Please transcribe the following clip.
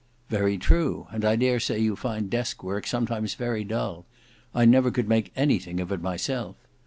"Very true; and I dare say you find desk work sometimes very dull; I never could make anything of it myself.